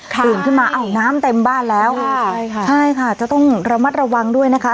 ตื่นขึ้นมาอ้าวน้ำเต็มบ้านแล้วใช่ค่ะใช่ค่ะจะต้องระมัดระวังด้วยนะคะ